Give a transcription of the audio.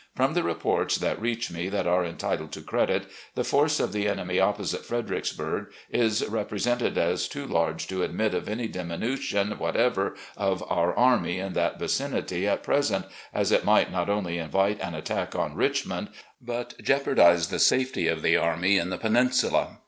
From the reports that reach me that are entitled to credit, the force of the enemy opposite Fredericksburg is represented as too large to admit of any diminution whatever of our army in that vicinity at pres ent, as it might not only invite an attack on Richmond, but jeopard the safety of the army in the Peninsula.